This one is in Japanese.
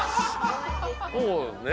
そうですね。